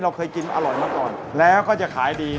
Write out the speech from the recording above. เคยกินอร่อยมาก่อนแล้วก็จะขายดี